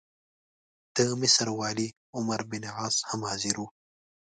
د مصر والي عمروبن عاص هم حاضر وو.